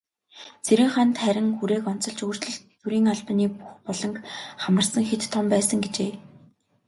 Цэрэнханд харин хүрээг онцолж, "өөрчлөлт төрийн албаны бүх буланг хамарсан хэт том байсан" гэжээ.